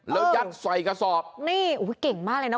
แล้วยัดใส่กระสอบนี่อุ้ยเก่งมากเลยนะ